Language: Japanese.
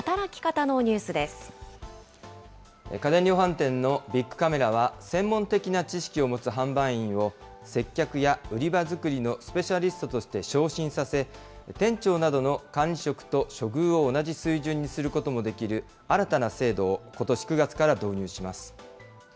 家電量販店のビックカメラは、専門的な知識を持つ販売員を接客や売り場作りのスペシャリストとして昇進させ、店長などの管理職と処遇を同じ水準にすることもできる新たな制度を、ことし９月から導入します。